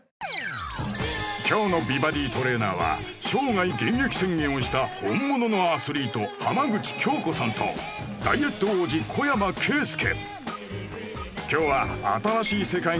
今日の美バディトレーナーは生涯現役宣言をした本物のアスリート浜口京子さんとダイエット王子小山圭介